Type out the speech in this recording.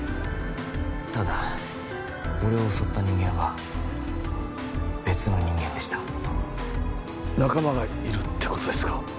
ただ俺を襲った人間は別の人間でした仲間がいるってことですか？